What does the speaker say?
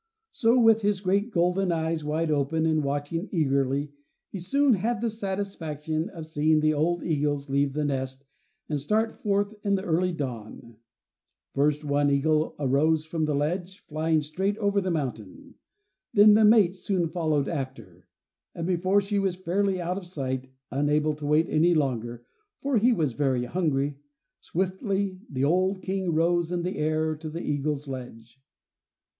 So, with his great golden eyes wide open and watching eagerly, he soon had the satisfaction of seeing the old eagles leave the nest and start forth in the early dawn; first one eagle arose from the ledge, flying straight over the mountain, then the mate soon followed after, and before she was fairly out of sight, unable to wait longer, for he was very hungry, swiftly the old King rose in the air to the eagles' ledge.